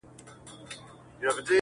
o ړوند يو وار امسا ورکوي.